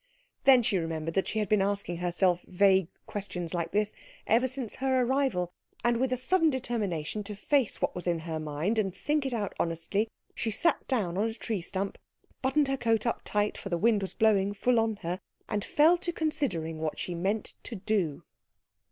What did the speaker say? Then she remembered that she had been asking herself vague questions like this ever since her arrival; and with a sudden determination to face what was in her mind and think it out honestly, she sat down on a tree stump, buttoned her coat up tight, for the wind was blowing full on her, and fell to considering what she meant to do.